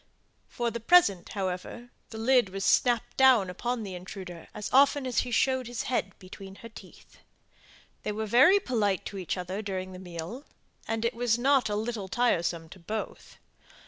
For the present, however, the lid was snapped down upon the intruder as often as he showed his head between her teeth. They were very polite to each other during the meal; and it was not a little tiresome to both.